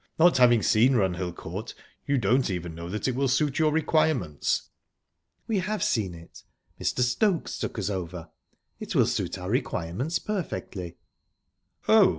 Not having seen Runhill Court, you don't even know that it will suit your requirements." "We have seen it. Mr. Stokes took us over. It will suit our requirements perfectly." "Oh...